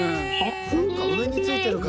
そっか上についてるから。